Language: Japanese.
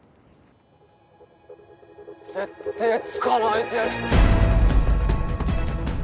ぜってぇ捕まえてやる！